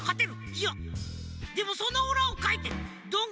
いやでもそのうらをかいてどん